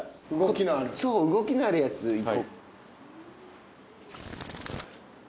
そう動きのあるやつで行こう。